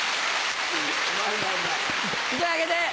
１枚あげて！